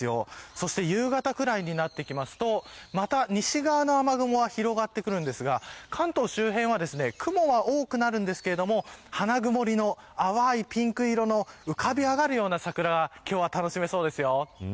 そして夕方ぐらいになってきますとまた西側の雨雲が広がってくるんですが関東周辺は雲が多くなるんですけれども花曇りの淡いピンク色の浮かび上がるような桜が今日は楽しめそうですよ。